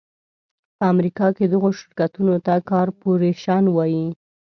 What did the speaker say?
په امریکا کې دغو شرکتونو ته کارپورېشن وایي.